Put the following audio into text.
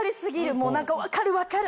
もう何か分かる分かる！